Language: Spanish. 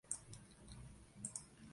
Isla adscrita a la provincia de Calamianes.